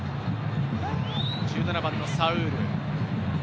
１７番のサウール。